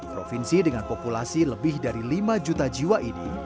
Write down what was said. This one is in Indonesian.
provinsi dengan populasi lebih dari lima juta jiwa ini